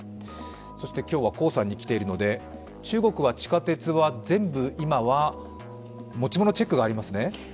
そして今日は、黄さんが来ているので中国は地下鉄は全部、今は持ち物チェックがありますね？